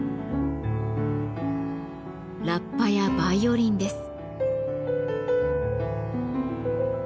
ラッパやバイオリンです。